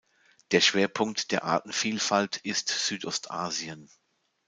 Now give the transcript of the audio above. Der Schwerpunkt der Artenvielfalt ist Südostasien.